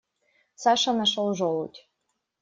Саша нашел желудь.